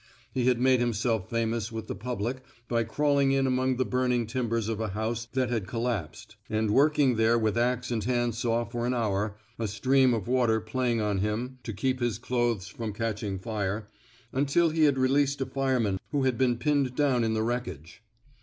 He had made himself famous with the public by crawling in among the burning timbers of a house that had collapsed and working there with ax and hand saw for an hour — a stream of water playing on him to keep his clothes 121 f THE SMOKE EATEKS from catching fire — until he had released a fireman who had been pinned down in the wreckage.